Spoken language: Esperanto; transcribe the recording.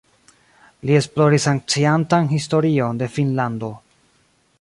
Li esploris anciantan historion de Finnlando.